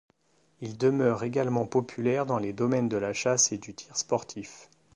Il demeure également populaire dans les domaines de la chasse et du tir sportif.